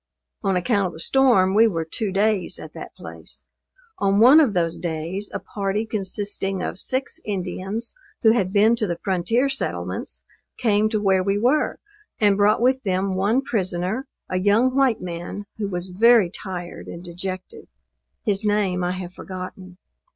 On account of the storm, we were two days at that place. On one of those days, a party consisting of six Indians who had been to the frontier settlements, came to where we were, and brought with them one prisoner, a young white man who was very tired and dejected. His name I have forgotten.